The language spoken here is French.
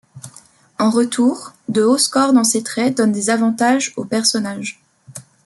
En retour, de hauts scores dans ces traits donnent des avantages au personnage.